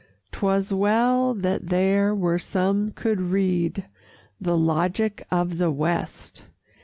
'Twas well that there were some could read The logic of the West!